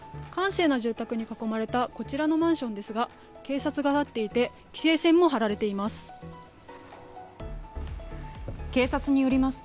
閑静な住宅に囲まれたこちらのマンションですが警察が入っていて規制線も張られています。